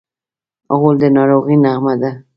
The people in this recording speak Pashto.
غول د ناروغۍ نغمه ده.